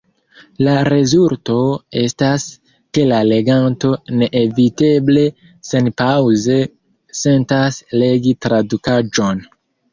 La rezulto estas, ke la leganto neeviteble senpaŭze sentas legi tradukaĵon.